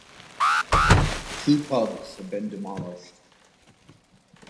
Two pubs have been demolished.